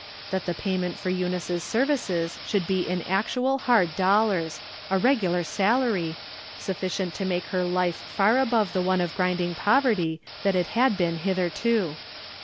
That the payment for Eunice's ser vices should be in actual hard dollars — a regular salary — sufficient to make her life far above the one of grinding poverty that it had been hitherto.